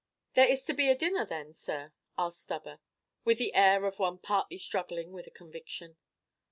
"There is to be a dinner, then, sir?" asked Stubber, with the air of one partly struggling with a conviction.